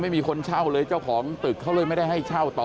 ไม่มีคนเช่าเลยเจ้าของตึกเขาเลยไม่ได้ให้เช่าต่อ